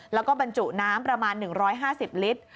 แล้วก็บรรจุน้ำประมาณ๑๕๐ลิตร